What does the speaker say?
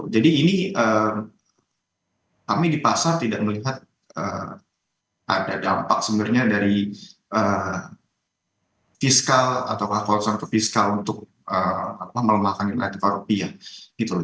jadi ini kami di pasar tidak melihat ada dampak sebenarnya dari fiskal atau konsumsi fiskal untuk melemahkan inelatifan rupiah